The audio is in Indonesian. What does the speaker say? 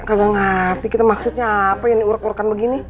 gak ngerti kita maksudnya apa yang diurukan begini